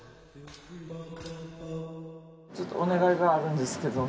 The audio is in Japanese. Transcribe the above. ちょっとお願いがあるんですけども。